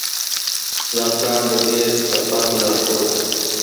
زعفران د دې سفر لارښود دی.